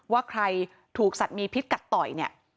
ว่าใครถูกสัตว์มีพิษกัดต่อยเนี่ย